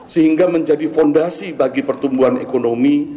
sehingga menjadi fondasi bagi pertumbuhan ekonomi